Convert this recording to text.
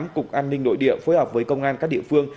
cục an ninh nội địa phối hợp với công an các địa phương